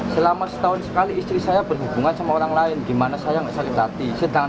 selama setahun sekali istri saya berhubungan sama orang lain di mana saya tidak sakit hati